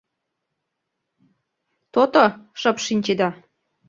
То-то, шып шинчеда.